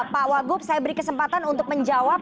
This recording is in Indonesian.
pak wagub saya beri kesempatan untuk menjawab